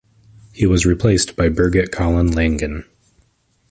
He was replaced by Birgit Collin-Langen.